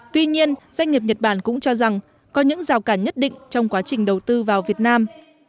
tuy nhiên doanh nghiệp nhật bản cũng cho rằng có những rào cản nhất định trong quá trình đầu tư vào việt nam